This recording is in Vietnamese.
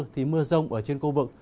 thì mưa rông ở trên khu vực